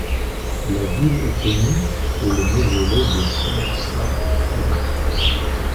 La ville est connue pour le mausolée de Sher Shah Suri.